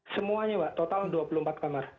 semuanya mbak total dua puluh empat kamar